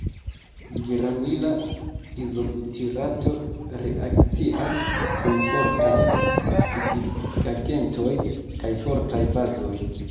Geranila izobutirato reakcias kun fortaj oksidigagentoj kaj fortaj bazoj.